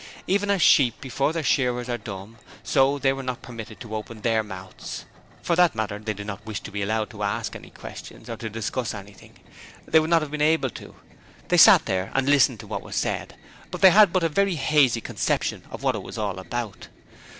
Even as sheep before their shearers are dumb, so they were not permitted to open their mouths. For that matter they did not wish to be allowed to ask any questions, or to discuss anything. They would not have been able to. They sat there and listened to what was said, but they had but a very hazy conception of what it was all about.